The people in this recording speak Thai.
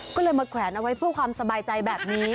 ก็เลยมาแขวนเอาไว้เพื่อความสบายใจแบบนี้